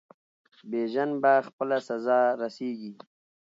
بیژن په خپله سزا رسیږي.